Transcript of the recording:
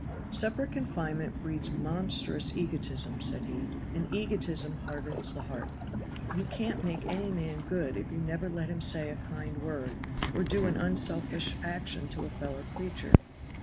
"Separate confinement breeds monstrous egotism," said he, "and egotism hardens the heart. You can't make any man good if you never let him say a kind word or do an unselfish action to a fellow creature.